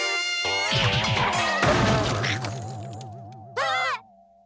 あっ！